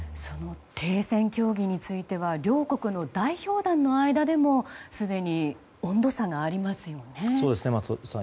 停戦協議については両国の代表団の間でもすでに温度差がありますよね。